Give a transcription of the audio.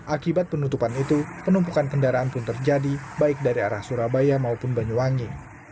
akibat penutupan itu penumpukan kendaraan pun terjadi baik dari arah surabaya maupun banyuwangi